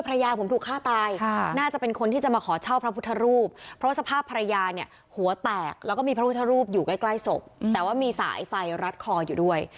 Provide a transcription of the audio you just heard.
ภรรยาผมถูกฆ่าตายน่าจะเป็นคนที่จะมาขอเช่าพระพุทธรูปเพราะสภาพภรรยาเนี่ยหัวแตกแล้วก็มีพระพุทธรูปอยู่ใกล้ใกล้ศพแต่ว่ามีสายไฟรัดคออยู่ด้วย